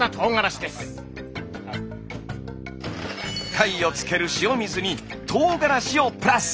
貝を漬ける塩水にとうがらしをプラス。